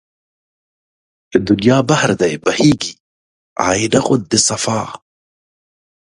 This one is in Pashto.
دنيا بحر دی بهيږي آينه غوندې صفا